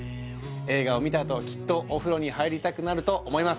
映画を見たあときっとお風呂に入りたくなると思います